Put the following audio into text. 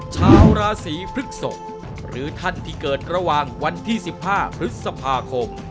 ชาวราศีพฤกษกหรือท่านที่เกิดระหว่างวันที่๑๕พฤษภาคม